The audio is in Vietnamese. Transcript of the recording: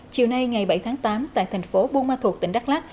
chiều nay ngày bảy tháng tám tại thành phố buôn ma thuộc tỉnh đắk lát